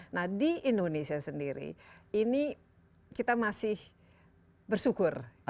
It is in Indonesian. nah di indonesia sendiri ini kita masih bersyukur